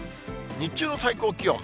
日中の最高気温。